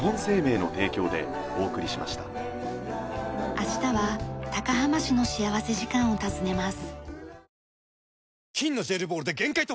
明日は高浜市の幸福時間を訪ねます。